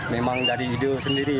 memang dari ide sendiri